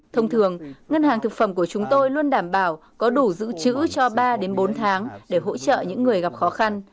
thông thường ngân hàng thực phẩm của chúng tôi luôn đảm bảo có đủ giữ chữ cho ba bốn tháng để hỗ trợ những người gặp khó khăn